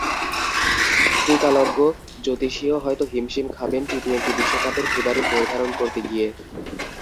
ত্রিকালজ্ঞ জ্যোতিষীও হয়তো হিমশিম খাবেন টি-টোয়েন্টি বিশ্বকাপের ফেবারিট নির্ধারণ করতে গিয়ে।